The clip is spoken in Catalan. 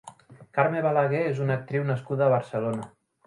Carme Balagué és una actriu nascuda a Barcelona.